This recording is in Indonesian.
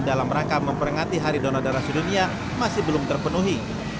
dalam rangka memperingati hari donor darah sedunia masih belum terpenuhi